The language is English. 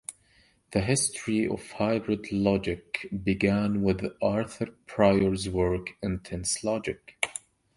The history of hybrid logic began with Arthur Prior's work in tense logic.